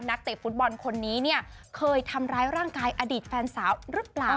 นักเตะฟุตบอลคนนี้เคยทำร้ายร่างกายอดีตแฟนสาวรึเปล่า